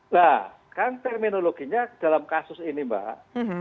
nah kan terminologinya dalam kasus ini mbak